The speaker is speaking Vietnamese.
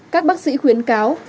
các bác sĩ khuyến cáo